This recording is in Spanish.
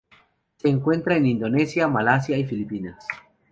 Se encuentra en Indonesia, Malasia y las Filipinas.